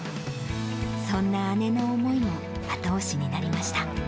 そんな姉の思いも後押しにな